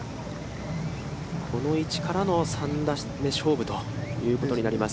この位置からの３打目勝負ということになります。